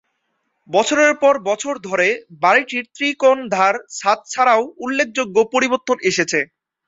বছরের পর বছর ধরে, বাড়িটির ত্রিকোণ ধার ছাদ ছাড়াও, উল্লেখযোগ্য পরিবর্তন এসেছে।